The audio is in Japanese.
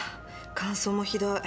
乾燥もひどい。